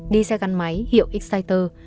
đi xe gắn máy hiệu exciter